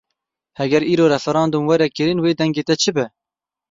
Heger îro referandûm were kirin wê dengê te çi be?